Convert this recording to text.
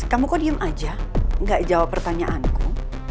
lex kamu kok diem aja nggak jawab pertanyaanku